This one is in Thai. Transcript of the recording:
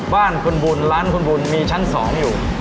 บ้านคุณบุญร้านคุณบุญมีชั้น๒อยู่